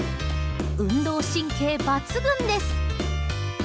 運動神経抜群です。